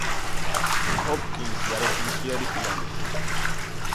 ჰოპკინზი არის ნიჭიერი პიანისტი.